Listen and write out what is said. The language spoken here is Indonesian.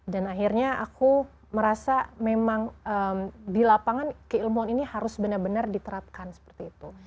dan akhirnya aku merasa memang di lapangan keilmuan ini harus benar benar diterapkan seperti itu